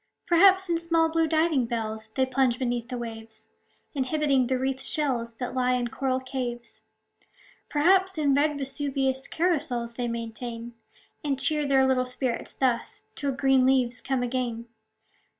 Perhaps, in small, blue diving bells They plunge beneath the waves, Inhabiting the wreathed shells That lie in coral caves. Perhaps, in red Vesuvius Carousals they maintain ; And cheer their little spirits thus, Till green leaves come again.